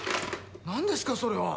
なんですかそれは！